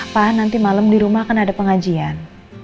pak nanti malam di rumah kan ada pengajian